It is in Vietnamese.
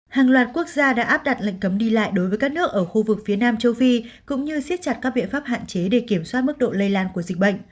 hàng loạt quốc gia đã áp đặt lệnh cấm đi lại đối với các nước ở khu vực phía nam châu phi cũng như siết chặt các biện pháp hạn chế để kiểm soát mức độ lây lan của dịch bệnh